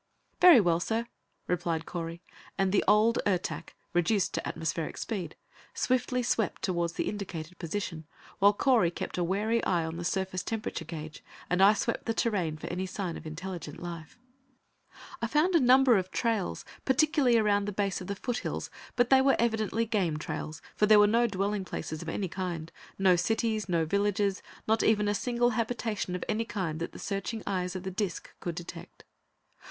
"Very well, sir," replied Correy, and the old Ertak, reduced to atmospheric speed, swiftly swept toward the indicated position, while Correy kept a wary eye on the surface temperature gauge, and I swept the terrain for any sign of intelligent life. I found a number of trails, particularly around the base of the foothills, but they were evidently game trails, for there were no dwelling places of any kind; no cities, no villages, not even a single habitation of any kind that the searching eyes of the disc could detect.